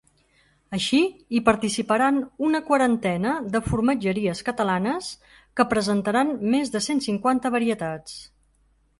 Així hi participaran una quarantena de formatgeries catalanes que presentaran més de cent cinquanta varietats.